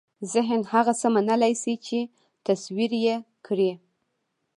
ذهن هغه څه منلای شي چې تصور یې کړي.